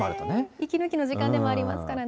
息抜きの時間でもありますからね。